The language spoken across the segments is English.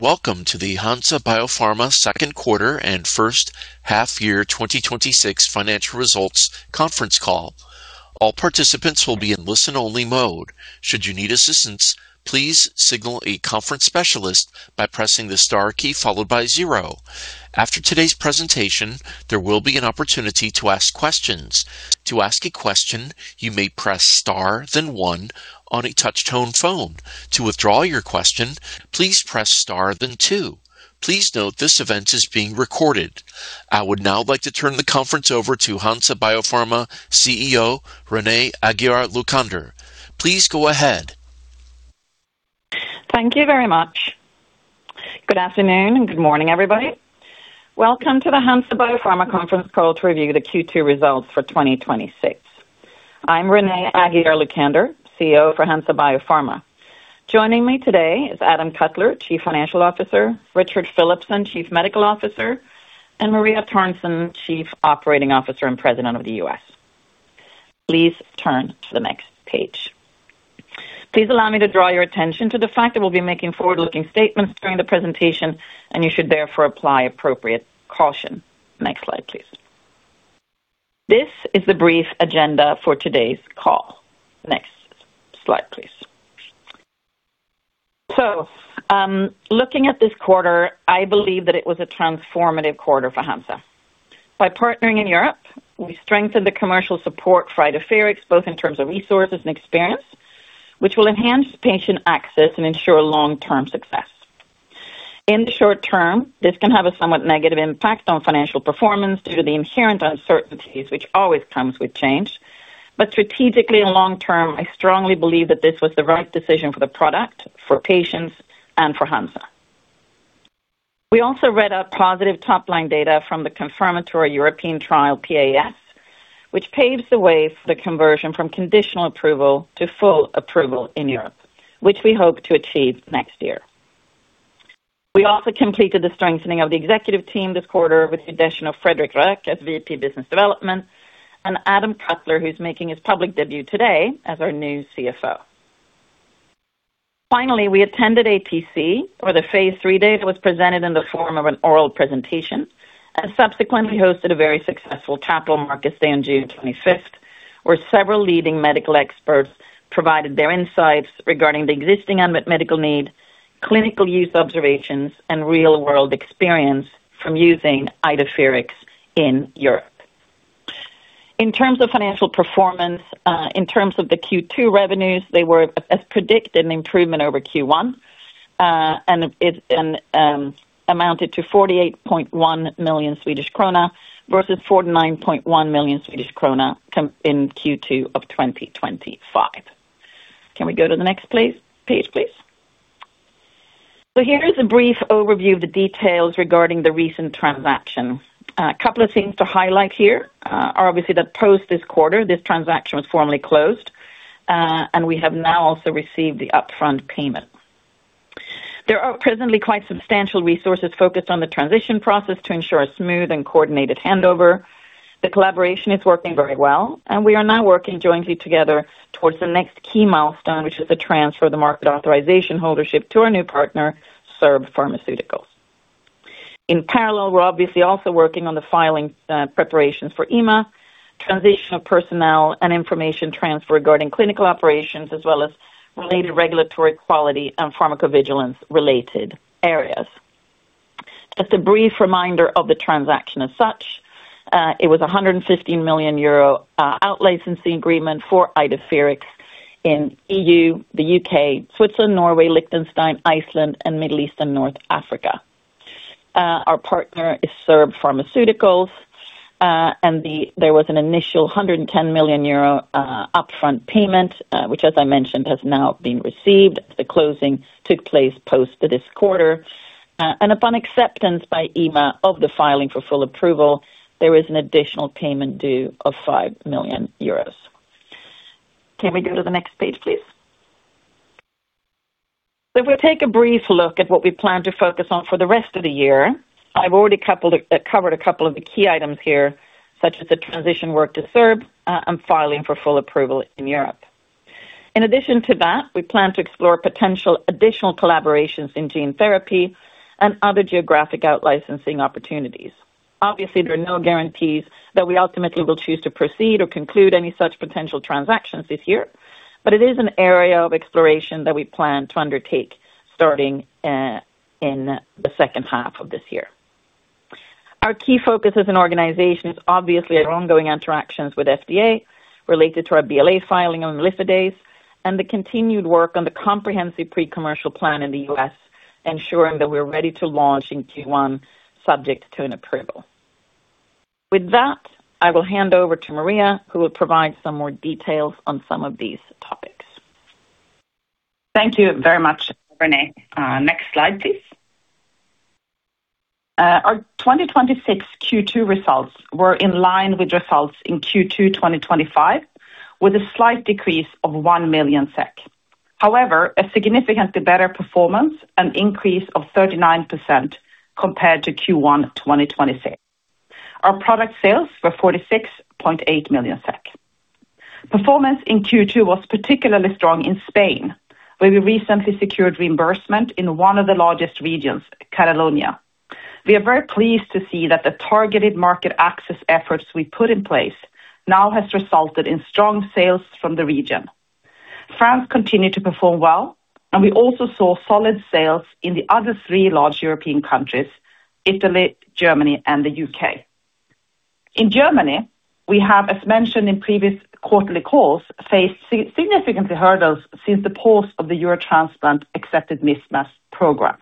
Welcome to the Hansa Biopharma second quarter and first half-year 2026 financial results conference call. All participants will be in listen-only mode. Should you need assistance, please signal a conference specialist by pressing the star key followed by zero. After today's presentation, there will be an opportunity to ask questions. To ask a question, you may press star then one on a touch tone phone. To withdraw your question, please press star then two. Please note this event is being recorded. I would now like to turn the conference over to Hansa Biopharma CEO, Renée Aguiar-Lucander. Please go ahead. Thank you very much. Good afternoon and good morning, everybody. Welcome to the Hansa Biopharma conference call to review the Q2 results for 2026. I'm Renée Aguiar-Lucander, CEO for Hansa Biopharma. Joining me today is Adam Cutler, Chief Financial Officer, Richard Philipson, Chief Medical Officer, and Maria Törnsén, Chief Operating Officer and President of the U.S. Please turn to the next page. Please allow me to draw your attention to the fact that we'll be making forward-looking statements during the presentation, and you should therefore apply appropriate caution. Next slide, please. This is the brief agenda for today's call. Next slide, please. Looking at this quarter, I believe that it was a transformative quarter for Hansa. By partnering in Europe, we strengthened the commercial support for IDEFIRIX, both in terms of resources and experience, which will enhance patient access and ensure long-term success. In the short term, this can have a somewhat negative impact on financial performance due to the inherent uncertainties which always comes with change. Strategically and long term, I strongly believe that this was the right decision for the product, for patients, and for Hansa. We also read out positive top-line data from the confirmatory European trial PAES, which paves the way for the conversion from conditional approval to full approval in Europe, which we hope to achieve next year. We also completed the strengthening of the executive team this quarter with the addition of Fredrik Röök as VP Business Development and Adam Cutler, who's making his public debut today as our new CFO. Finally, we attended ATC, where the phase III data was presented in the form of an oral presentation and subsequently hosted a very successful Capital Markets Day on June 25th, where several leading medical experts provided their insights regarding the existing unmet medical need, clinical use observations, and real-world experience from using IDEFIRIX in Europe. In terms of financial performance, in terms of the Q2 revenues, they were, as predicted, an improvement over Q1. It amounted to 48.1 million Swedish krona versus 49.1 million Swedish krona in Q2 of 2025. Can we go to the next page, please? Here is a brief overview of the details regarding the recent transaction. A couple of things to highlight here are obviously that post this quarter, this transaction was formally closed. We have now also received the upfront payment. There are presently quite substantial resources focused on the transition process to ensure a smooth and coordinated handover. The collaboration is working very well and we are now working jointly together towards the next key milestone, which is the transfer of the market authorization holdership to our new partner, SERB Pharmaceuticals. In parallel, we are obviously also working on the filing preparation for EMA, transition of personnel and information transfer regarding clinical operations as well as related regulatory quality and pharmacovigilance related areas. Just a brief reminder of the transaction as such, it was a 150 million euro out licensing agreement for IDEFIRIX in the EU, the U.K., Switzerland, Norway, Liechtenstein, Iceland, and Middle East and North Africa. Our partner is SERB Pharmaceuticals. There was an initial 110 million euro upfront payment, which as I mentioned, has now been received. The closing took place post this quarter. Upon acceptance by EMA of the filing for full approval, there is an additional payment due of 5 million euros. Can we go to the next page, please? So if we take a brief look at what we plan to focus on for the rest of the year, I have already covered a couple of the key items here, such as the transition work to SERB and filing for full approval in Europe. In addition to that, we plan to explore potential additional collaborations in gene therapy and other geographic out licensing opportunities. Obviously, there are no guarantees that we ultimately will choose to proceed or conclude any such potential transactions this year, but it is an area of exploration that we plan to undertake starting in the second half of this year. Our key focus as an organization is obviously our ongoing interactions with FDA related to our BLA filing on imlifidase and the continued work on the comprehensive pre-commercial plan in the U.S., ensuring that we are ready to launch in Q1 subject to an approval. With that, I will hand over to Maria, who will provide some more details on some of these topics. Thank you very much, Renée. Next slide, please. Our 2026 Q2 results were in line with results in Q2 2025, with a slight decrease of 1 million SEK. However, a significantly better performance, an increase of 39% compared to Q1 2026. Our product sales were 46.8 million SEK. Performance in Q2 was particularly strong in Spain, where we recently secured reimbursement in one of the largest regions, Catalonia. We are very pleased to see that the targeted market access efforts we put in place now has resulted in strong sales from the region. France continued to perform well, and we also saw solid sales in the other three large European countries, Italy, Germany, and the U.K. In Germany, we have, as mentioned in previous quarterly calls, faced significant hurdles since the pause of the Eurotransplant Acceptable Mismatch program.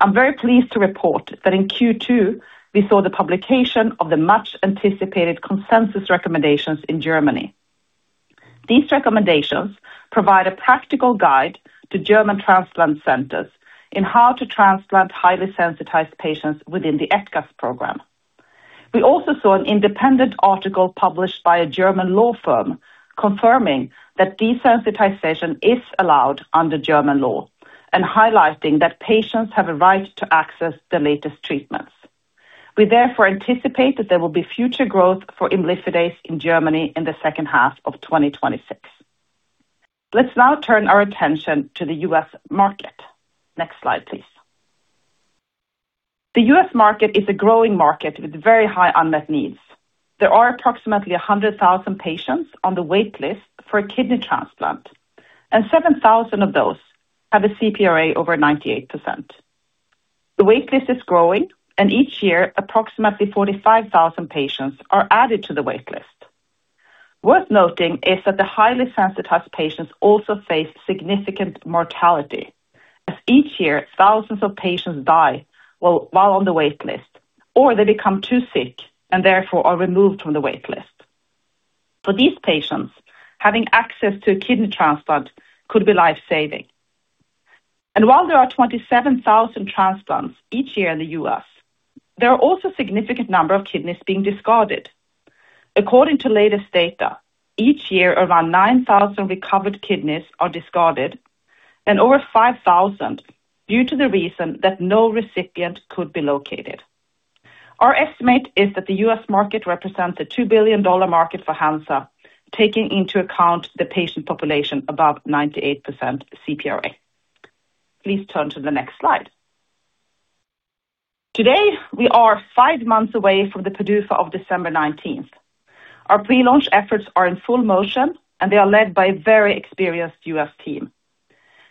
I'm very pleased to report that in Q2, we saw the publication of the much-anticipated consensus recommendations in Germany. These recommendations provide a practical guide to German transplant centers in how to transplant highly sensitized patients within the ETAS program. We also saw an independent article published by a German law firm confirming that desensitization is allowed under German law and highlighting that patients have a right to access the latest treatments. We therefore anticipate that there will be future growth for imlifidase in Germany in the second half of 2026. Let's now turn our attention to the U.S. market. Next slide, please. The U.S. market is a growing market with very high unmet needs. There are approximately 100,000 patients on the wait list for a kidney transplant, and 7,000 of those have a cPRA over 98%. The wait list is growing, and each year, approximately 45,000 patients are added to the wait list. Worth noting is that the highly sensitized patients also face significant mortality, as each year, thousands of patients die while on the wait list, or they become too sick and therefore are removed from the wait list. For these patients, having access to a kidney transplant could be life-saving. While there are 27,000 transplants each year in the U.S., there are also significant number of kidneys being discarded. According to latest data, each year, around 9,000 recovered kidneys are discarded and over 5,000 due to the reason that no recipient could be located. Our estimate is that the U.S. market represents a $2 billion market for Hansa, taking into account the patient population above 98% cPRA. Please turn to the next slide. Today, we are five months away from the PDUFA of December 19th. Our pre-launch efforts are in full motion. They are led by a very experienced U.S. team.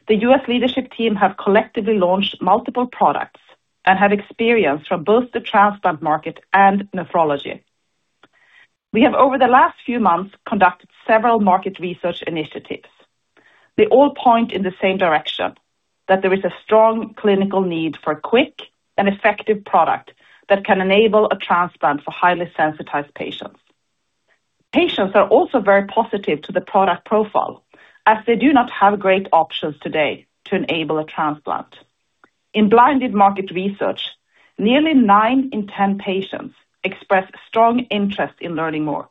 The U.S. leadership team have collectively launched multiple products and have experience from both the transplant market and nephrology. We have, over the last few months, conducted several market research initiatives. They all point in the same direction, that there is a strong clinical need for quick and effective product that can enable a transplant for highly sensitized patients. Patients are also very positive to the product profile as they do not have great options today to enable a transplant. In blinded market research, nearly nine in 10 patients expressed strong interest in learning more.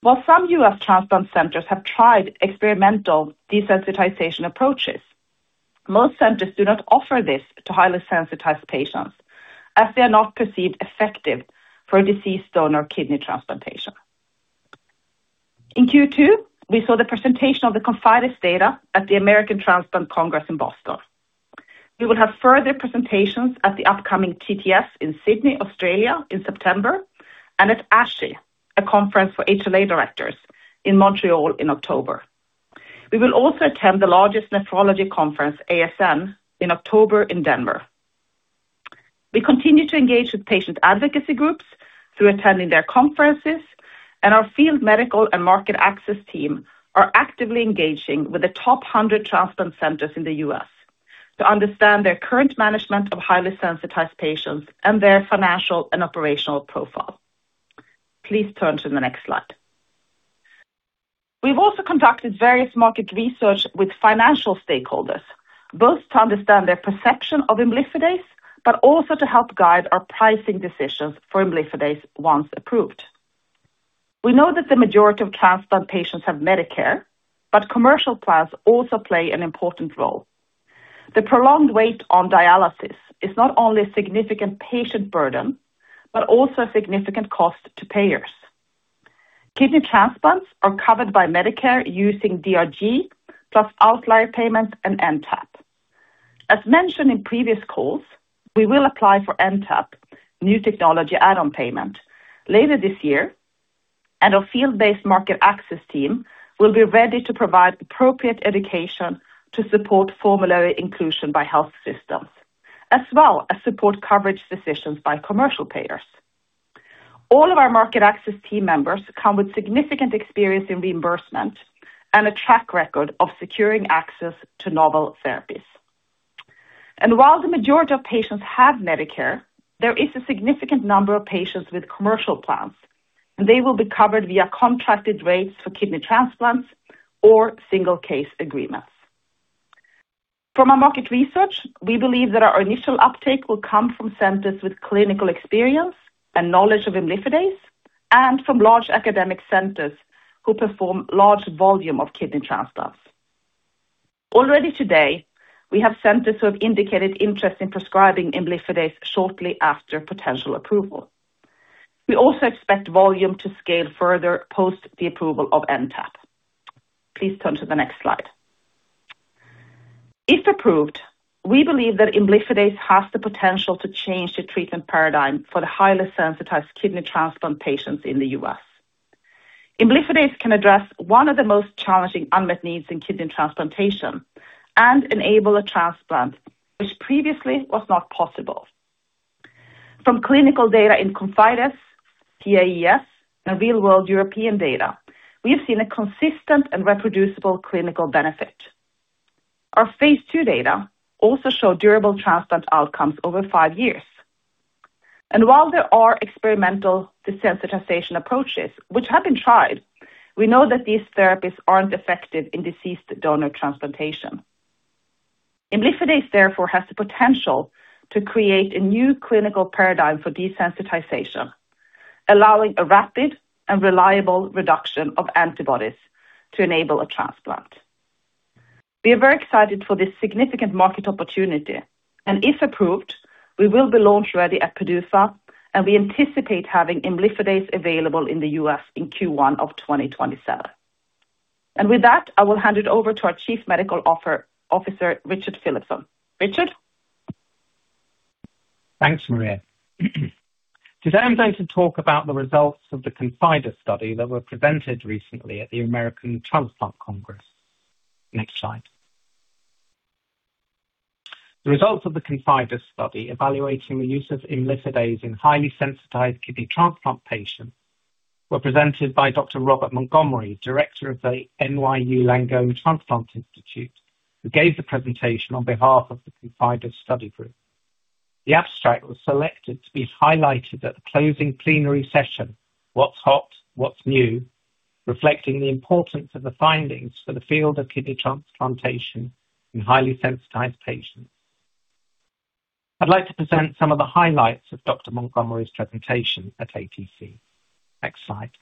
While some U.S. transplant centers have tried experimental desensitization approaches, most centers do not offer this to highly sensitized patients, as they are not perceived effective for a deceased donor kidney transplantation. In Q2, we saw the presentation of the ConfideS data at the American Transplant Congress in Boston. We will have further presentations at the upcoming TTS in Sydney, Australia in September, and at ASHI, a conference for HLA directors in Montréal in October. We will also attend the largest nephrology conference, ASN, in October in Denver. We continue to engage with patient advocacy groups through attending their conferences, and our field medical and market access team are actively engaging with the top 100 transplant centers in the U.S. to understand their current management of highly sensitized patients and their financial and operational profile. Please turn to the next slide. We've also conducted various market research with financial stakeholders, both to understand their perception of imlifidase, but also to help guide our pricing decisions for imlifidase once approved. We know that the majority of transplant patients have Medicare, but commercial plans also play an important role. The prolonged wait on dialysis is not only a significant patient burden but also a significant cost to payers. Kidney transplants are covered by Medicare using DRG plus outlier payments and NTAP. As mentioned in previous calls, we will apply for NTAP, New Technology Add-on Payment, later this year, and our field-based market access team will be ready to provide appropriate education to support formulary inclusion by health systems, as well as support coverage decisions by commercial payers. All of our market access team members come with significant experience in reimbursement and a track record of securing access to novel therapies. While the majority of patients have Medicare, there is a significant number of patients with commercial plans, and they will be covered via contracted rates for kidney transplants or single case agreements. From our market research, we believe that our initial uptake will come from centers with clinical experience and knowledge of imlifidase and from large academic centers who perform large volume of kidney transplants. Already today, we have centers who have indicated interest in prescribing imlifidase shortly after potential approval. We also expect volume to scale further post the approval of NTAP. Please turn to the next slide. If approved, we believe that imlifidase has the potential to change the treatment paradigm for the highly sensitized kidney transplant patients in the U.S. Imlifidase can address one of the most challenging unmet needs in kidney transplantation and enable a transplant which previously was not possible. From clinical data in ConfideS, PAES, and real-world European data, we have seen a consistent and reproducible clinical benefit. Our phase II data also show durable transplant outcomes over five years. While there are experimental desensitization approaches which have been tried, we know that these therapies aren't effective in deceased donor transplantation. Imlifidase, therefore, has the potential to create a new clinical paradigm for desensitization, allowing a rapid and reliable reduction of antibodies to enable a transplant. We are very excited for this significant market opportunity, if approved, we will be launch-ready at PDUFA, and we anticipate having imlifidase available in the U.S. in Q1 of 2027. With that, I will hand it over to our Chief Medical Officer, Richard Philipson. Richard? Thanks, Maria. Today, I am going to talk about the results of the ConfideS study that were presented recently at the American Transplant Congress. Next slide. The results of the ConfideS study evaluating the use of imlifidase in highly sensitized kidney transplant patients were presented by Dr. Robert Montgomery, Director of the NYU Langone Transplant Institute, who gave the presentation on behalf of the ConfideS study group. The abstract was selected to be highlighted at the closing plenary session, What's Hot, What's New, reflecting the importance of the findings for the field of kidney transplantation in highly sensitized patients. I would like to present some of the highlights of Dr. Montgomery's presentation at ATC. Next slide.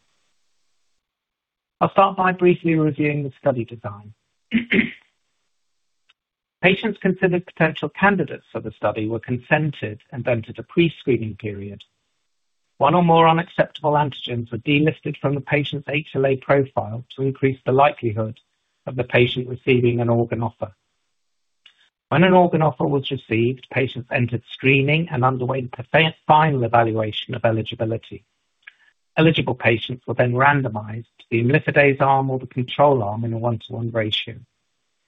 I will start by briefly reviewing the study design. Patients considered potential candidates for the study were consented and then to the pre-screening period. One or more unacceptable antigens were delisted from the patient's HLA profile to increase the likelihood of the patient receiving an organ offer. When an organ offer was received, patients entered screening and underwent a final evaluation of eligibility. Eligible patients were randomized to the imlifidase arm or the control arm in a 1:1 ratio.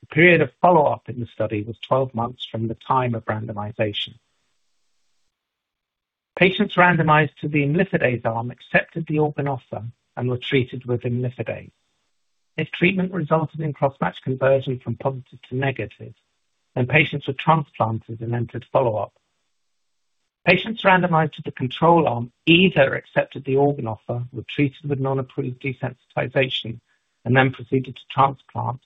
The period of follow-up in the study was 12 months from the time of randomization. Patients randomized to the imlifidase arm accepted the organ offer and were treated with imlifidase. If treatment resulted in cross-match conversion from positive to negative, patients were transplanted and entered follow-up. Patients randomized to the control arm either accepted the organ offer, were treated with non-approved desensitization, and proceeded to transplant,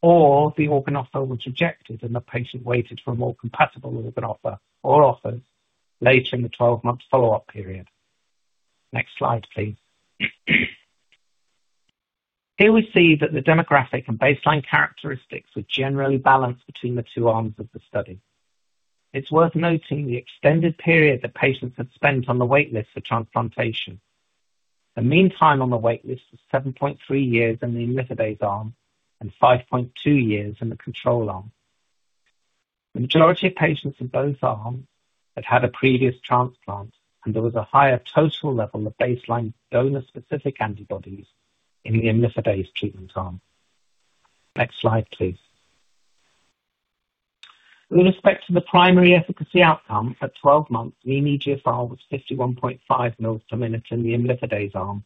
or the organ offer was rejected, and the patient waited for a more compatible organ offer or offers later in the 12-month follow-up period. Next slide, please. Here we see that the demographic and baseline characteristics were generally balanced between the two arms of the study. It is worth noting the extended period that patients had spent on the wait list for transplantation. The mean time on the wait list was 7.3 years in the imlifidase arm and 5.2 years in the control arm. Majority of patients in both arms had had a previous transplant, and there was a higher total level of baseline donor-specific antibodies in the imlifidase treatment arm. Next slide, please. With respect to the primary efficacy outcome at 12 months, the eGFR was 51.5 mL per minute in the imlifidase arm,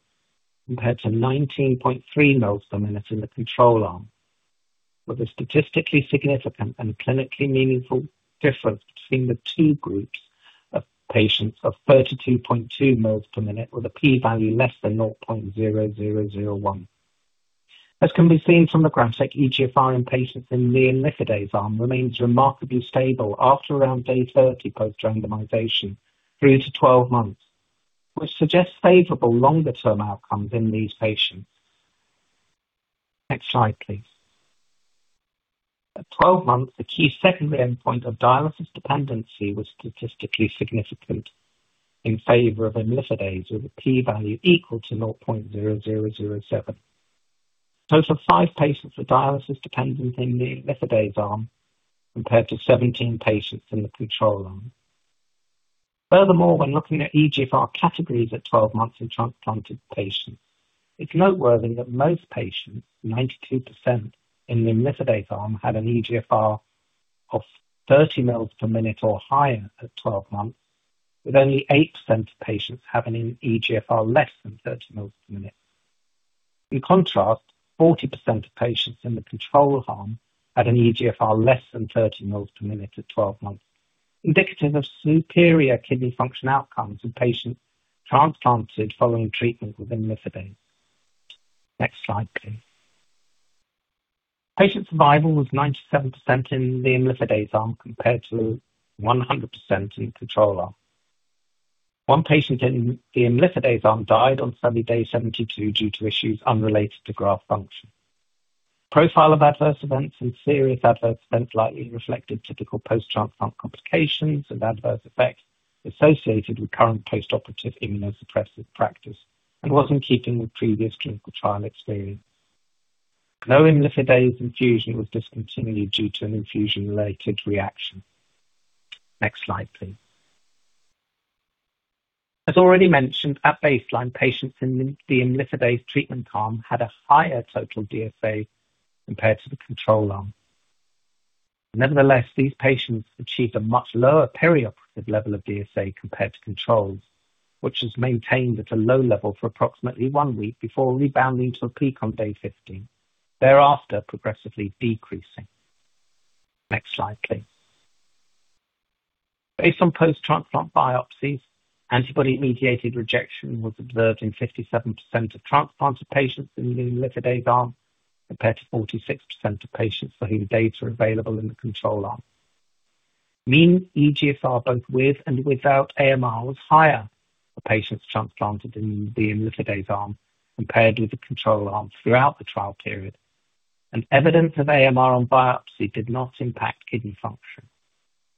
compared to 19.3 mL per minute in the control arm, with a statistically significant and clinically meaningful difference between the two groups of patients of 32.2 mL per minute with a p-value less than 0.0001. As can be seen from the graphic, eGFR in patients in the imlifidase arm remains remarkably stable after around day 30 post-randomization through to 12 months, which suggests favorable longer-term outcomes in these patients. Next slide, please. At 12 months, the key secondary endpoint of dialysis dependency was statistically significant in favor of imlifidase with a p-value equal to 0.0007. A total of five patients were dialysis-dependent in the imlifidase arm compared to 17 patients in the control arm. Furthermore, when looking at eGFR categories at 12 months in transplanted patients, it is noteworthy that most patients, 92%, in the imlifidase arm had an eGFR of 30 mL per minute or higher at 12 months, with only 8% of patients having an eGFR less than 30 mL per minute. In contrast, 40% of patients in the control arm had an eGFR less than 30 mL per minute at 12 months, indicative of superior kidney function outcomes in patients transplanted following treatment with imlifidase. Next slide, please. Patient survival was 97% in the imlifidase arm compared to 100% in the control arm. One patient in the imlifidase arm died on study day 72 due to issues unrelated to graft function. Profile of adverse events and serious adverse events likely reflected typical post-transplant complications and adverse effects associated with current postoperative immunosuppressive practice and was in keeping with previous clinical trial experience. No imlifidase infusion was discontinued due to an infusion-related reaction. Next slide, please. As already mentioned, at baseline, patients in the imlifidase treatment arm had a higher total DSA compared to the control arm. Nevertheless, these patients achieved a much lower perioperative level of DSA compared to controls, which was maintained at a low level for approximately one week before rebounding to a peak on day 15, thereafter progressively decreasing. Next slide, please. Based on post-transplant biopsies, antibody-mediated rejection was observed in 57% of transplanted patients in the imlifidase arm, compared to 46% of patients for whom data are available in the control arm. Mean eGFR, both with and without AMR, was higher for patients transplanted in the imlifidase arm compared with the control arm throughout the trial period. Evidence of AMR on biopsy did not impact kidney function.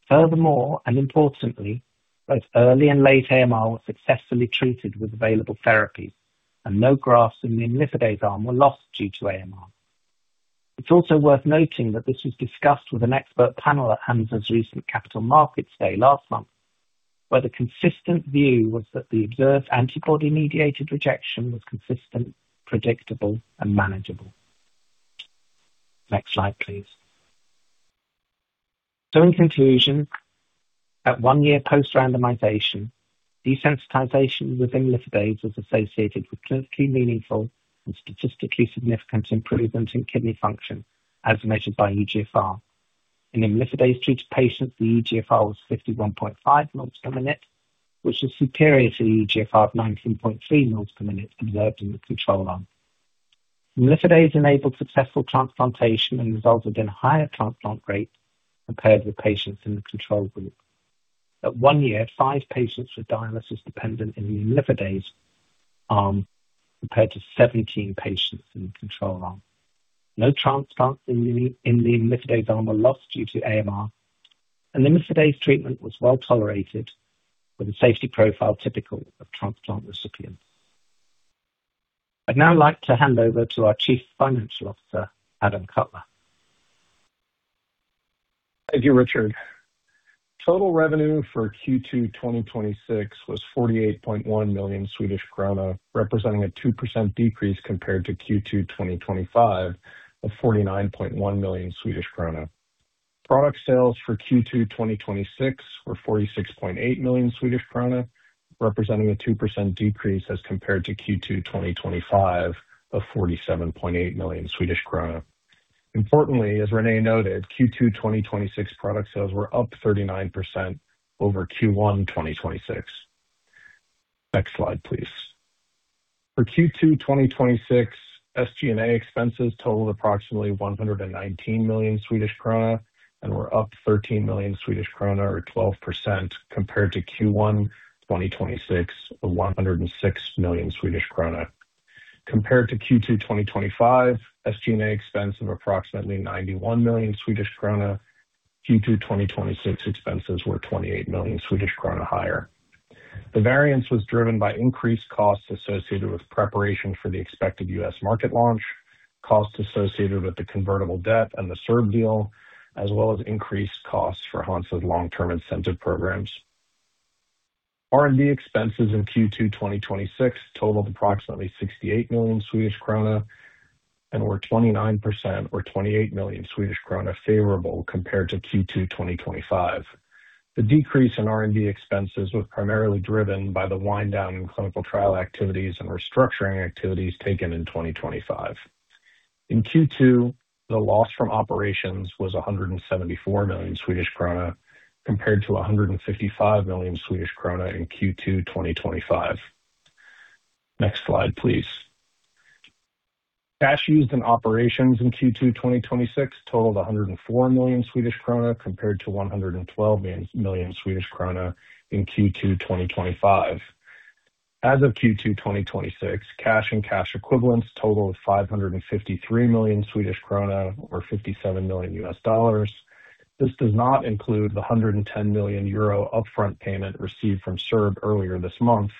Furthermore, and importantly, both early and late AMR were successfully treated with available therapies, and no grafts in the imlifidase arm were lost due to AMR. It is also worth noting that this was discussed with an expert panel at Hansa's recent Capital Markets Day last month, where the consistent view was that the observed antibody-mediated rejection was consistent, predictable, and manageable. Next slide, please. In conclusion, at one year post-randomization, desensitization with imlifidase was associated with clinically meaningful and statistically significant improvement in kidney function as measured by eGFR. In imlifidase-treated patients, the eGFR was 51.5 mils per minute, which is superior to the eGFR of 19.3 mL per minute observed in the control arm. Imlifidase enabled successful transplantation and resulted in higher transplant rates compared with patients in the control group. At one year, five patients were dialysis-dependent in the imlifidase arm, compared to 17 patients in the control arm. No transplants in the imlifidase arm were lost due to AMR, and imlifidase treatment was well-tolerated with a safety profile typical of transplant recipients.I would now like to hand over to our Chief Financial Officer, Adam Cutler. Thank you, Richard. Total revenue for Q2 2026 was 48.1 million Swedish krona, representing a 2% decrease compared to Q2 2025 of 49.1 million Swedish krona. Product sales for Q2 2026 were 46.8 million Swedish krona, representing a 2% decrease as compared to Q2 2025 of 47.8 million Swedish krona. Importantly, as Renée noted, Q2 2026 product sales were up 39% over Q1 2026. Next slide, please. For Q2 2026, SG&A expenses totaled approximately 119 million Swedish krona and were up 13 million Swedish krona or 12% compared to Q1 2026 of 106 million Swedish krona. Compared to Q2 2025 SG&A expense of approximately 91 million Swedish krona, Q2 2026 expenses were 28 million Swedish krona higher. The variance was driven by increased costs associated with preparation for the expected U.S. market launch, costs associated with the convertible debt and the SERB deal, as well as increased costs for Hansa's long-term incentive programs. R&D expenses in Q2 2026 totaled approximately 68 million Swedish krona and were 29% or 28 million Swedish krona favorable compared to Q2 2025. The decrease in R&D expenses was primarily driven by the wind down in clinical trial activities and restructuring activities taken in 2025. In Q2, the loss from operations was 174 million Swedish krona, compared to 155 million Swedish krona in Q2 2025. Next slide, please. Cash used in operations in Q2 2026 totaled 104 million Swedish krona, compared to 112 million Swedish krona in Q2 2025. As of Q2 2026, cash and cash equivalents totaled 553 million Swedish krona or $57 million. This does not include the 110 million euro upfront payment received from SERB earlier this month,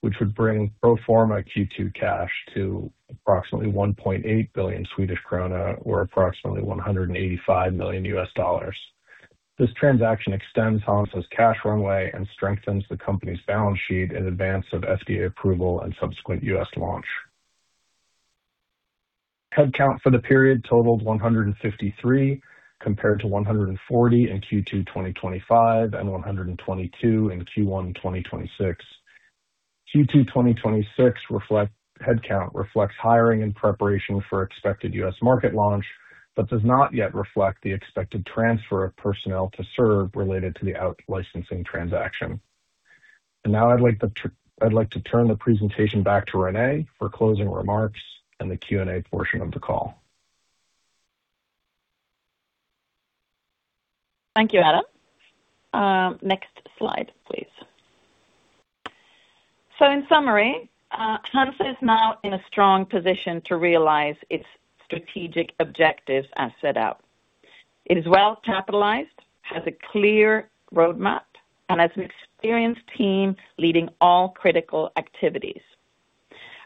which would bring pro forma Q2 cash to approximately 1.8 billion Swedish krona or approximately $185 million. This transaction extends Hansa's cash runway and strengthens the company's balance sheet in advance of FDA approval and subsequent U.S. launch. Headcount for the period totaled 153, compared to 140 in Q2 2025 and 122 in Q1 2026. Q2 2026 headcount reflects hiring in preparation for expected U.S. market launch but does not yet reflect the expected transfer of personnel to SERB related to the out licensing transaction. Now I'd like to turn the presentation back to Renée for closing remarks and the Q&A portion of the call. Thank you, Adam. Next slide, please. In summary, Hansa is now in a strong position to realize its strategic objectives as set out. It is well-capitalized, has a clear roadmap, and has an experienced team leading all critical activities.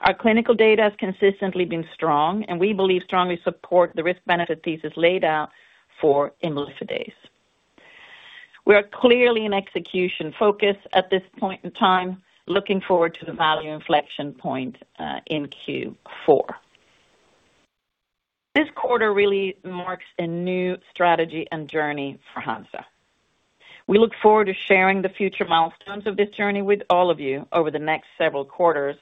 Our clinical data has consistently been strong, and we believe strongly support the risk-benefit thesis laid out for imlifidase. We are clearly an execution focus at this point in time, looking forward to the value inflection point in Q4. This quarter really marks a new strategy and journey for Hansa. We look forward to sharing the future milestones of this journey with all of you over the next several quarters,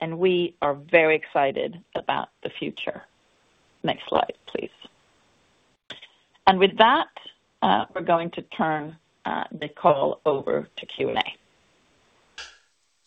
and we are very excited about the future. Next slide, please. With that, we're going to turn the call over to Q&A.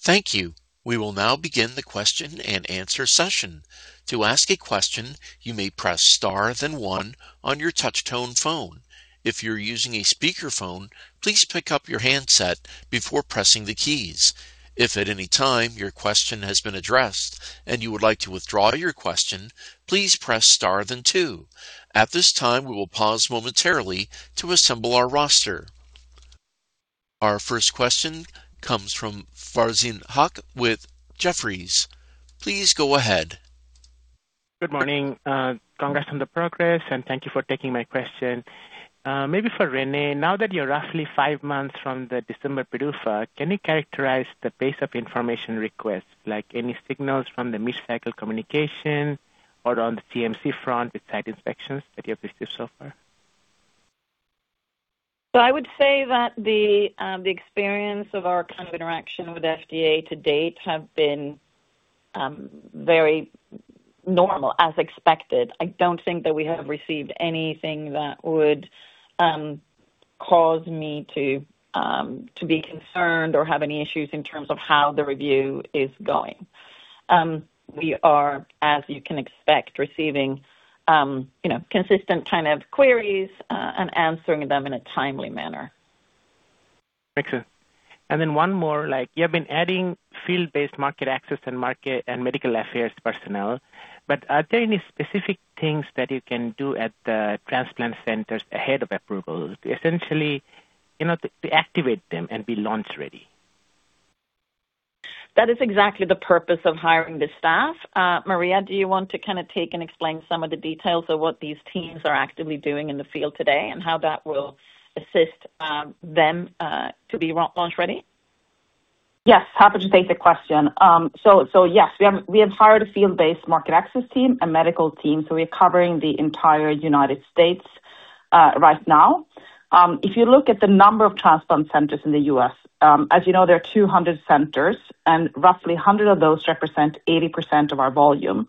Thank you. We will now begin the question and answer session. To ask a question, you may press star then one on your touch tone phone. If you're using a speakerphone, please pick up your handset before pressing the keys. If at any time your question has been addressed and you would like to withdraw your question, please press star then two. At this time, we will pause momentarily to assemble our roster. Our first question comes from Farzin Haque with Jefferies. Please go ahead. Good morning. Congrats on the progress, and thank you for taking my question. Maybe for Renée, now that you're roughly five months from the December PDUFA, can you characterize the pace of information requests, like any signals from the mid-cycle communication or on the CMC front with site inspections that you have received so far? I would say that the experience of our kind of interaction with FDA to date have been very normal, as expected. I don't think that we have received anything that would cause me to be concerned or have any issues in terms of how the review is going. We are, as you can expect, receiving consistent kind of queries, and answering them in a timely manner. Excellent. Then one more. You have been adding field-based market access and market and medical affairs personnel, but are there any specific things that you can do at the transplant centers ahead of approval? Essentially, to activate them and be launch-ready. That is exactly the purpose of hiring the staff. Maria, do you want to take and explain some of the details of what these teams are actively doing in the field today and how that will assist them to be launch-ready? Yes, happy to take the question. Yes, we have hired a field-based market access team and medical team, we are covering the entire U.S. right now. If you look at the number of transplant centers in the U.S., as you know, there are 200 centers, and roughly 100 of those represent 80% of our volume.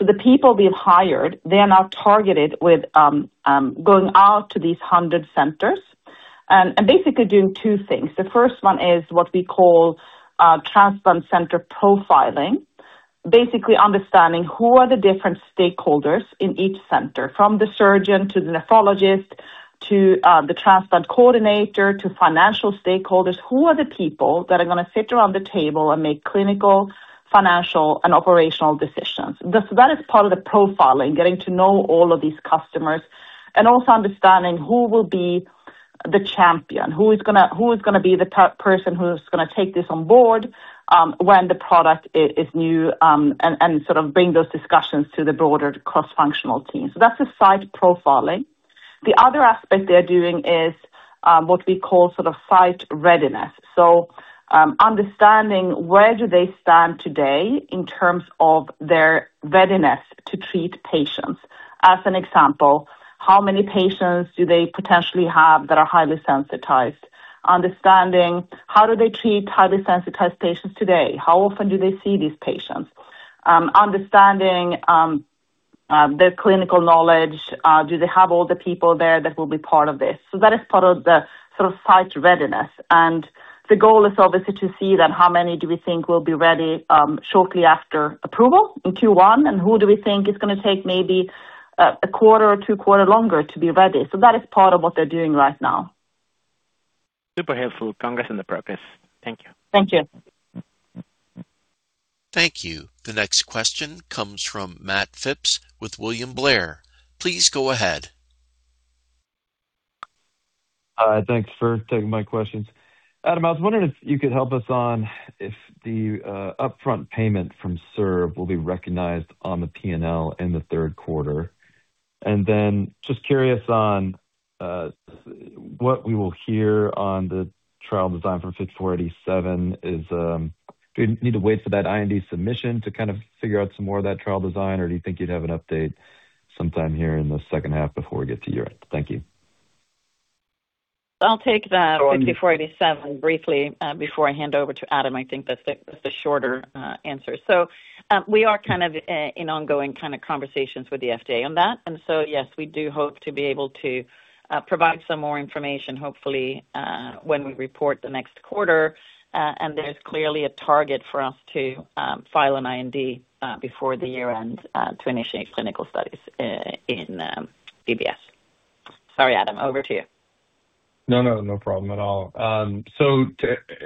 The people we have hired, they are now targeted with going out to these 100 centers and basically do two things. The first one is what we call transplant center profiling. Basically understanding who are the different stakeholders in each center, from the surgeon to the nephrologist, to the transplant coordinator, to financial stakeholders. Who are the people that are going to sit around the table and make clinical, financial, and operational decisions? That is part of the profiling, getting to know all of these customers and also understanding who will be the champion, who is going to be the person who's going to take this on board when the product is new, and sort of bring those discussions to the broader cross-functional team. That's the site profiling. The other aspect they're doing is what we call site readiness. Understanding where do they stand today in terms of their readiness to treat patients. As an example, how many patients do they potentially have that are highly sensitized? Understanding how do they treat highly sensitized patients today? How often do they see these patients? Understanding their clinical knowledge. Do they have all the people there that will be part of this? That is part of the site readiness. The goal is obviously to see then how many do we think will be ready shortly after approval in Q1 and who do we think is going to take maybe a quarter or two quarter longer to be ready. That is part of what they're doing right now. Super helpful. Congrats on the progress. Thank you. Thank you. Thank you. The next question comes from Matt Phipps with William Blair. Please go ahead. Thanks for taking my questions. Adam, I was wondering if you could help us on if the upfront payment from SERB will be recognized on the P&L in the third quarter. Then just curious on what we will hear on the trial design for HNSA-5487 is, do we need to wait for that IND submission to kind of figure out some more of that trial design, or do you think you'd have an update sometime here in the second half before we get to year-end? Thank you. I'll take the HNSA-5487 briefly before I hand over to Adam. I think that's the shorter answer. We are in ongoing conversations with the FDA on that. Yes, we do hope to be able to provide some more information, hopefully when we report the next quarter. There's clearly a target for us to file an IND before the year ends to initiate clinical studies in GBS. Sorry, Adam, over to you. No problem at all. To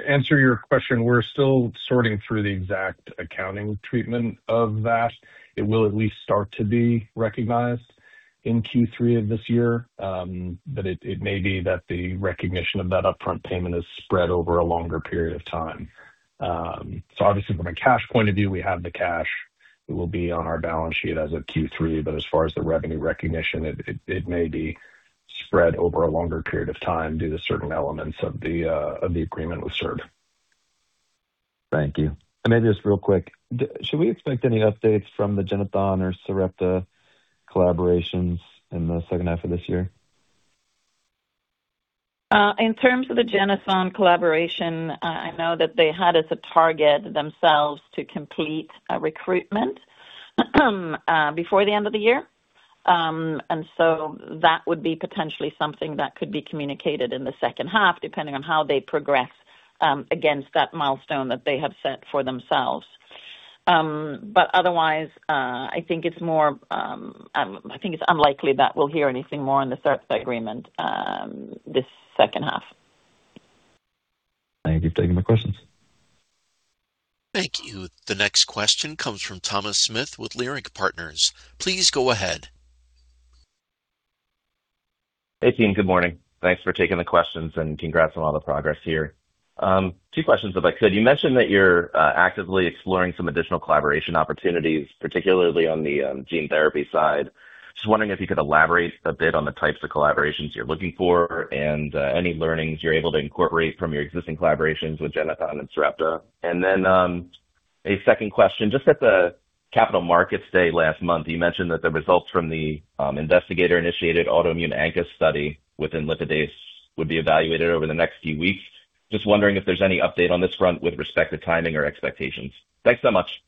answer your question, we're still sorting through the exact accounting treatment of that. It will at least start to be recognized in Q3 of this year. It may be that the recognition of that upfront payment is spread over a longer period of time. Obviously from a cash point of view, we have the cash. It will be on our balance sheet as of Q3, but as far as the revenue recognition, it may be spread over a longer period of time due to certain elements of the agreement with SERB. Thank you. Maybe just real quick, should we expect any updates from the Genethon or Sarepta collaborations in the second half of this year? In terms of the Genethon collaboration, I know that they had as a target themselves to complete a recruitment before the end of the year. That would be potentially something that could be communicated in the second half, depending on how they progress against that milestone that they have set for themselves. Otherwise, I think it's unlikely that we'll hear anything more on the Sarepta agreement this second half. Thank you for taking my questions. Thank you. The next question comes from Thomas Smith with Leerink Partners. Please go ahead. Hey, team. Good morning. Thanks for taking the questions and congrats on all the progress here. Two questions, if I could. You mentioned that you're actively exploring some additional collaboration opportunities, particularly on the gene therapy side. Just wondering if you could elaborate a bit on the types of collaborations you're looking for and any learnings you're able to incorporate from your existing collaborations with Genethon and Sarepta. A second question. Just at the Capital Markets Day last month, you mentioned that the results from the investigator-initiated autoimmune ANCA study with imlifidase would be evaluated over the next few weeks. Just wondering if there's any update on this front with respect to timing or expectations. Thanks so much.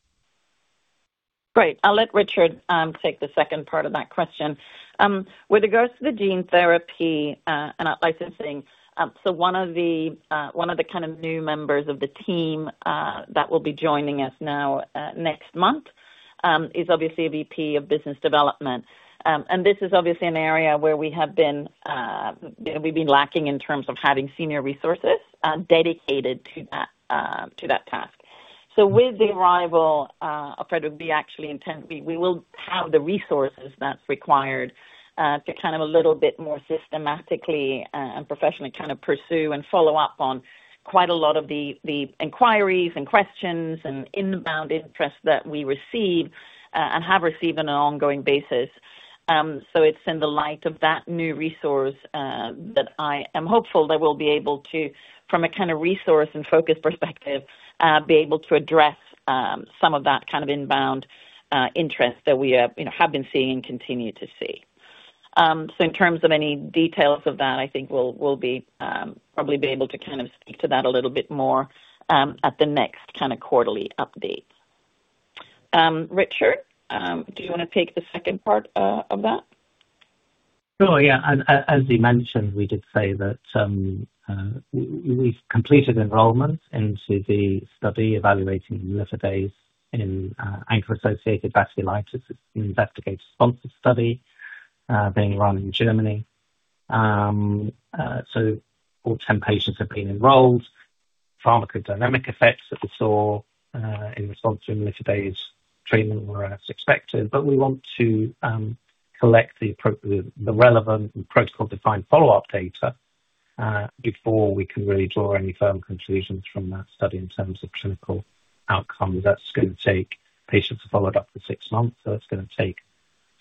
Great. I'll let Richard take the second part of that question. With regards to the gene therapy and licensing, one of the new members of the team that will be joining us now next month, is obviously a VP of Business Development. This is obviously an area where we've been lacking in terms of having senior resources dedicated to that task. With the arrival of Fred, we will have the resources that's required to a little bit more systematically and professionally pursue and follow up on quite a lot of the inquiries and questions and inbound interest that we receive, and have received on an ongoing basis. It's in the light of that new resource that I am hopeful that we'll be able to, from a resource and focus perspective, be able to address some of that inbound interest that we have been seeing and continue to see. In terms of any details of that, I think we'll probably be able to speak to that a little bit more at the next quarterly update. Richard, do you want to take the second part of that? As we mentioned, we did say that we've completed enrollment into the study evaluating imlifidase in ANCA-associated vasculitis investigator-sponsored study being run in Germany. All 10 patients have been enrolled. Pharmacodynamic effects that we saw in response to imlifidase treatment were as expected. We want to collect the relevant and protocol-defined follow-up data before we can really draw any firm conclusions from that study in terms of clinical outcomes. Patients are followed up for six months, it's going to take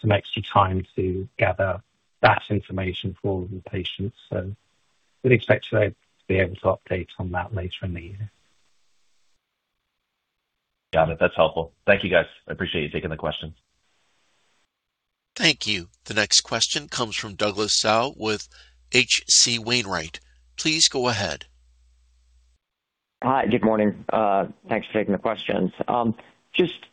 some extra time to gather that information for all of the patients. We'd expect to be able to update on that later in the year. Got it. That's helpful. Thank you, guys. I appreciate you taking the question. Thank you. The next question comes from Douglas Tsao with H.C. Wainwright. Please go ahead. Hi. Good morning. Thanks for taking the questions. Just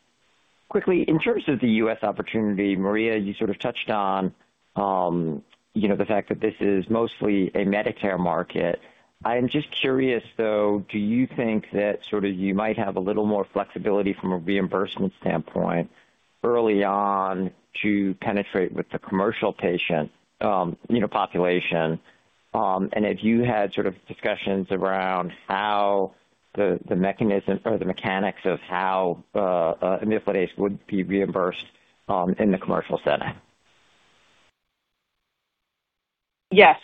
quickly, in terms of the U.S. opportunity, Maria, you sort of touched on the fact that this is mostly a Medicare market. I'm just curious, though, do you think that you might have a little more flexibility from a reimbursement standpoint early on to penetrate with the commercial patient population? If you had discussions around the mechanics of how imlifidase would be reimbursed in the commercial setting. Yes.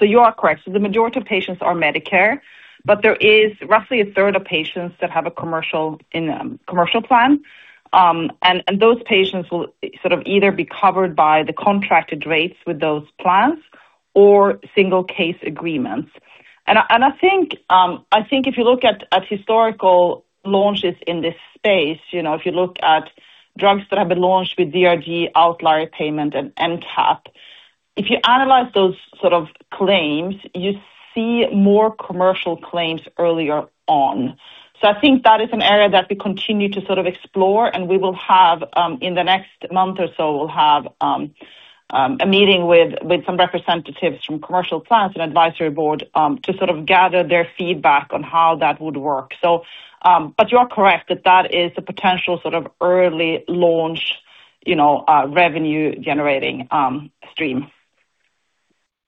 You are correct. The majority of patients are Medicare, but there is roughly 1/3 of patients that have a commercial plan. Those patients will either be covered by the contracted rates with those plans or single case agreements. I think if you look at historical launches in this space, if you look at drugs that have been launched with DRG outlier payment and NTAP, if you analyze those sort of claims, you see more commercial claims earlier on. I think that is an area that we continue to explore and in the next month or so, we'll have a meeting with some representatives from commercial plans and advisory board, to sort of gather their feedback on how that would work. You are correct that that is a potential early launch revenue generating stream.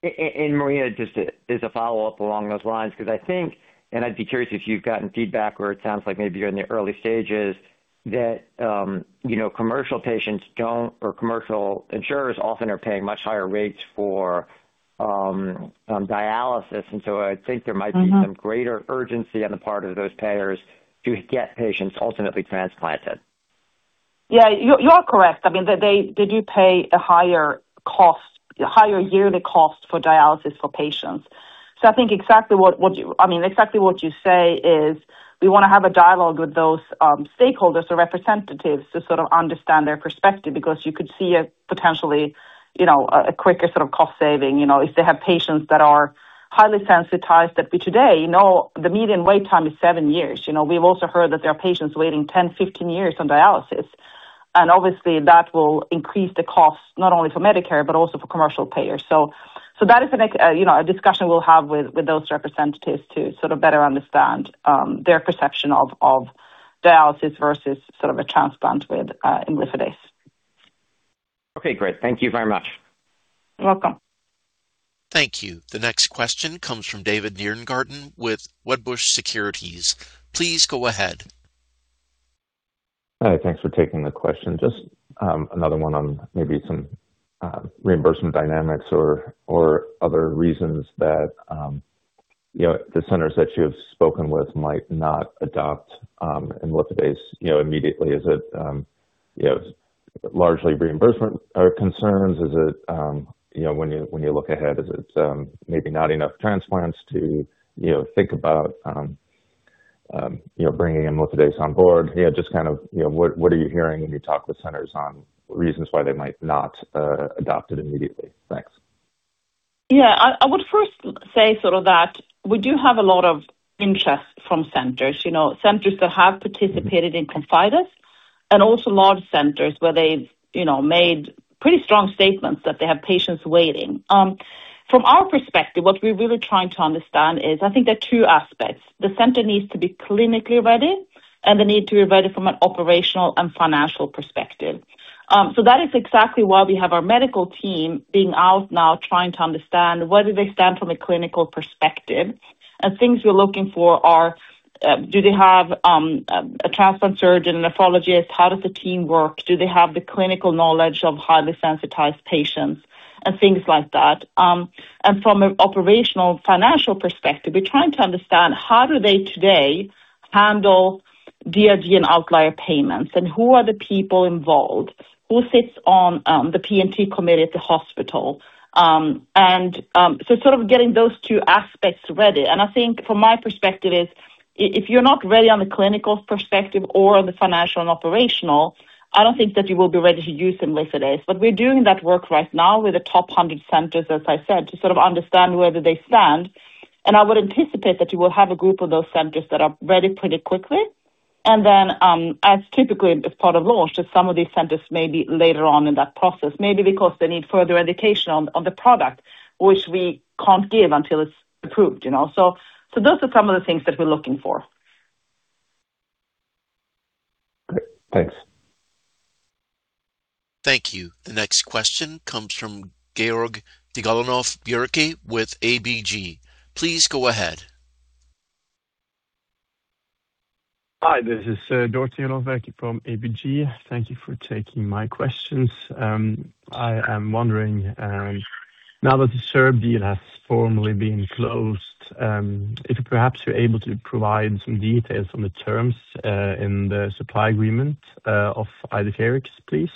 Maria, just as a follow-up along those lines, because I think, I'd be curious if you've gotten feedback or it sounds like maybe you're in the early stages, that commercial patients don't, or commercial insurers often are paying much higher rates for dialysis. I think there might be some greater urgency on the part of those payers to get patients ultimately transplanted. Yeah. You are correct. They do pay a higher yearly cost for dialysis for patients. I think exactly what you say is we want to have a dialogue with those stakeholders or representatives to sort of understand their perspective, because you could see a potentially quicker sort of cost saving. If they have patients that are highly sensitized that today, the median wait time is seven years. We've also heard that there are patients waiting 10, 15 years on dialysis. Obviously that will increase the cost not only for Medicare, but also for commercial payers. That is a discussion we'll have with those representatives to sort of better understand their perception of dialysis versus a transplant with imlifidase. Okay, great. Thank you very much. You're welcome. Thank you. The next question comes from David Nierengarten with Wedbush Securities. Please go ahead. Hi. Thanks for taking the question. Maybe another one on some reimbursement dynamics or other reasons that the centers that you have spoken with might not adopt imlifidase immediately. Is it largely reimbursement concerns? When you look ahead, is it maybe not enough transplants to think about bringing imlifidase on board? What are you hearing when you talk with centers on reasons why they might not adopt it immediately? Thanks. I would first say that we do have a lot of interest from centers. Centers that have participated in ConfideS, also large centers where they've made pretty strong statements that they have patients waiting. From our perspective, what we're really trying to understand is, there are two aspects. The center needs to be clinically ready, and they need to be ready from an operational and financial perspective. That is exactly why we have our medical team being out now trying to understand where do they stand from a clinical perspective. Things we're looking for are, do they have a transplant surgeon, a nephrologist? How does the team work? Do they have the clinical knowledge of highly sensitized patients and things like that. From an operational financial perspective, we're trying to understand how do they today handle DRG and outlier payments, and who are the people involved? Who sits on the P&T committee at the hospital? Getting those two aspects ready. From my perspective is, if you're not ready on the clinical perspective or on the financial and operational, I don't think that you will be ready to use imlifidase. We're doing that work right now with the top 100 centers, as I said, to understand where do they stand. I would anticipate that you will have a group of those centers that are ready pretty quickly. Typically as part of launch, some of these centers may be later on in that process, maybe because they need further education on the product, which we can't give until it's approved. Those are some of the things that we're looking for. Thanks. Thank you. The next question comes from Georg Tigalonov-Bjerke with ABG. Please go ahead. Hi, this is Georg Tigalonov-Bjerke from ABG. Thank you for taking my questions. I am wondering, now that the SERB deal has formally been closed, if perhaps you're able to provide some details on the terms in the supply agreement of IDEFIRIX, please.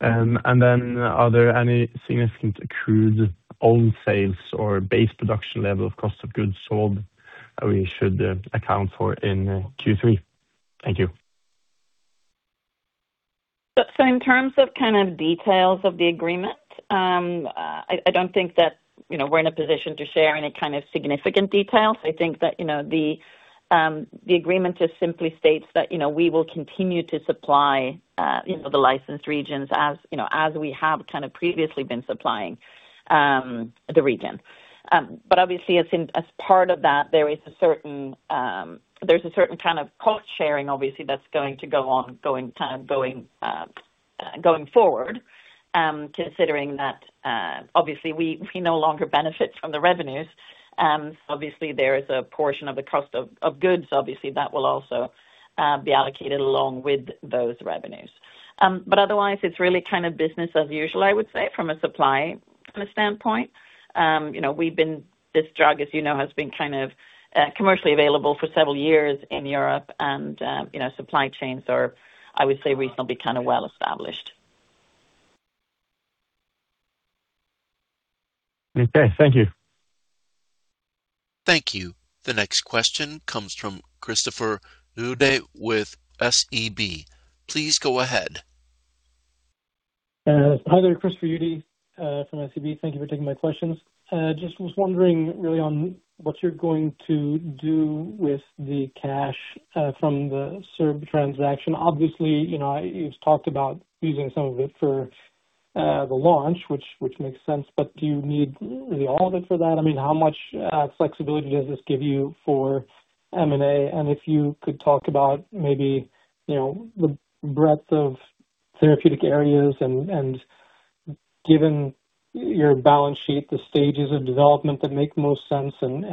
Are there any significant accrued on sales or base production level of cost of goods sold that we should account for in Q3? Thank you. In terms of kind of details of the agreement, I don't think that we're in a position to share any kind of significant details. I think that the agreement just simply states that we will continue to supply the licensed reagents as we have kind of previously been supplying the reagents. Obviously as part of that, there's a certain kind of cost sharing, obviously, that's going to go on going forward. Considering that, obviously we no longer benefit from the revenues. Obviously there is a portion of the cost of goods, obviously, that will also be allocated along with those revenues. Otherwise, it's really kind of business as usual, I would say, from a supply kind of standpoint. This drug, as you know, has been kind of commercially available for several years in Europe and supply chains are, I would say reasonably kind of well established. Okay. Thank you. Thank you. The next question comes from Christopher Uhde with SEB. Please go ahead. Hi there, Christopher Uhde from SEB. Thank you for taking my questions. Just was wondering really on what you're going to do with the cash from the SERB transaction. Obviously, you've talked about using some of it for the launch, which makes sense, do you need really all of it for that? How much flexibility does this give you for M&A? If you could talk about maybe the breadth of therapeutic areas and given your balance sheet, the stages of development that make most sense and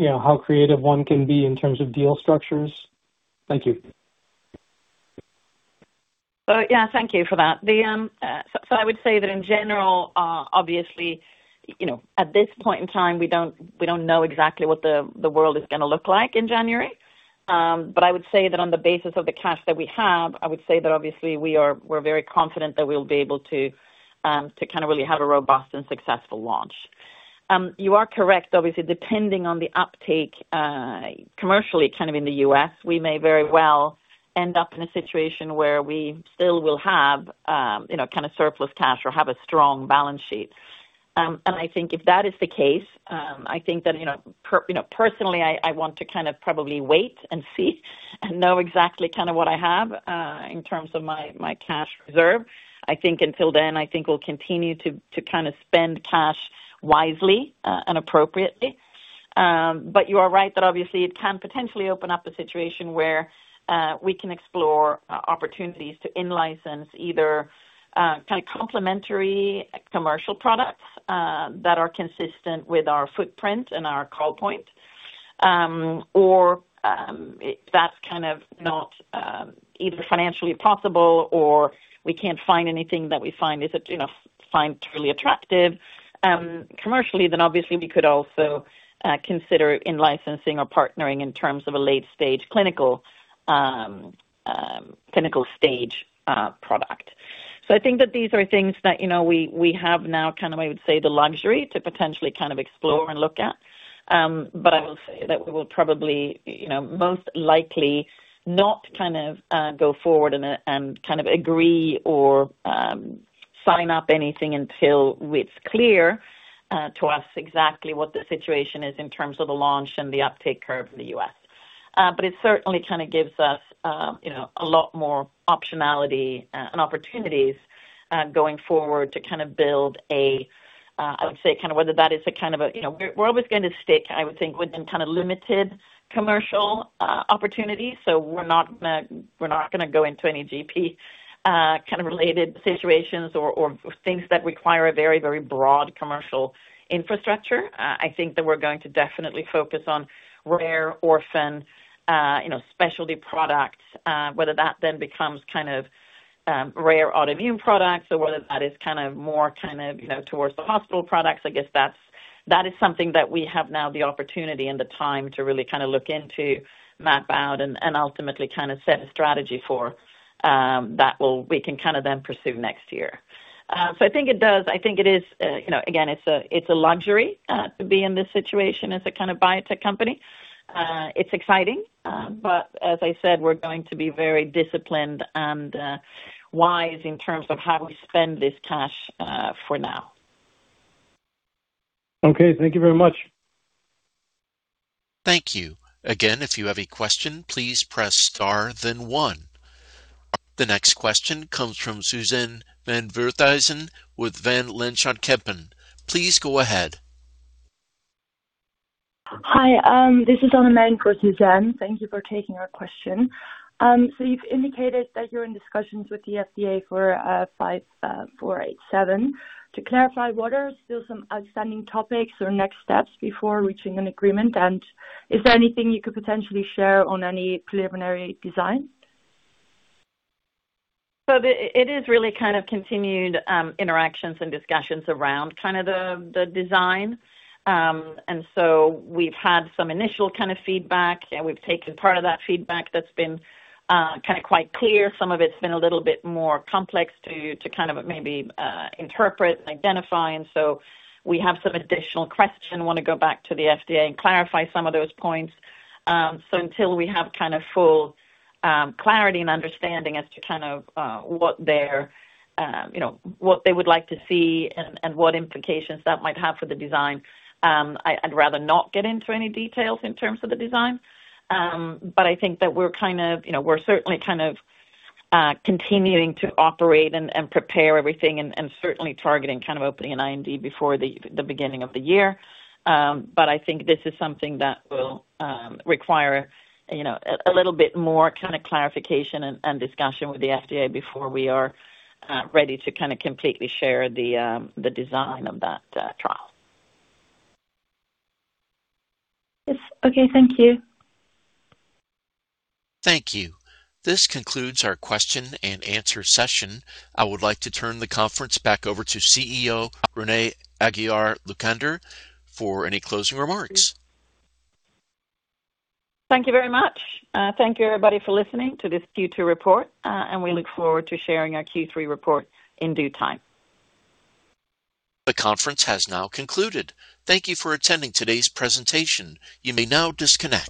how creative one can be in terms of deal structures. Thank you. Yeah. Thank you for that. I would say that in general, obviously, at this point in time, we don't know exactly what the world is going to look like in January. I would say that on the basis of the cash that we have, I would say that obviously we're very confident that we'll be able to really have a robust and successful launch. You are correct, obviously, depending on the uptake commercially in the U.S., we may very well end up in a situation where we still will have surplus cash or have a strong balance sheet. I think if that is the case, I think that personally, I want to probably wait and see and know exactly what I have in terms of my cash reserve. I think until then, I think we'll continue to spend cash wisely and appropriately. You are right that obviously it can potentially open up a situation where we can explore opportunities to in-license either complementary commercial products that are consistent with our footprint and our call point. If that's not either financially possible or we can't find anything that we find truly attractive commercially, obviously we could also consider in-licensing or partnering in terms of a late clinical stage product. I think that these are things that we have now, I would say, the luxury to potentially explore and look at. I will say that we will probably most likely not go forward and agree or sign up anything until it's clear to us exactly what the situation is in terms of the launch and the uptake curve in the U.S. It certainly gives us a lot more optionality and opportunities going forward to build, I would say, we're always going to stick, I would think, within limited commercial opportunities. We're not going to go into any GP-related situations or things that require a very broad commercial infrastructure. We're going to definitely focus on rare orphan specialty products whether that then becomes rare autoimmune products or whether that is more towards the hospital products. I guess that is something that we have now the opportunity and the time to really look into, map out, and ultimately set a strategy for that we can then pursue next year. I think it does. Again, it's a luxury to be in this situation as a biotech company. It's exciting. As I said, we're going to be very disciplined and wise in terms of how we spend this cash for now. Thank you very much. Thank you. Again, if you have a question, please press star then one. The next question comes from Suzanne van Voorthuizen with Van Lanschot Kempen. Please go ahead. Hi. This is on for Suzanne. Thank you for taking our question. You've indicated that you're in discussions with the FDA for 5487. To clarify, what are still some outstanding topics or next steps before reaching an agreement? Is there anything you could potentially share on any preliminary design? It is really continued interactions and discussions around the design. We've had some initial feedback. We've taken part of that feedback that's been quite clear. Some of it's been a little bit more complex to maybe interpret and identify. We have some additional questions we want to go back to the FDA and clarify some of those points. Until we have full clarity and understanding as to what they would like to see and what implications that might have for the design, I'd rather not get into any details in terms of the design. I think that we're certainly continuing to operate and prepare everything and certainly targeting opening an IND before the beginning of the year. I think this is something that will require a little bit more clarification and discussion with the FDA before we are ready to completely share the design of that trial. Yes. Okay. Thank you. Thank you. This concludes our question and answer session. I would like to turn the conference back over to CEO Renée Aguiar-Lucander for any closing remarks. Thank you very much. Thank you, everybody, for listening to this Q2 report. We look forward to sharing our Q3 report in due time. The conference has now concluded. Thank you for attending today's presentation. You may now disconnect.